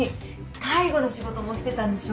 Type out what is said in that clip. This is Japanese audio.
介護の仕事もしてたんでしょ？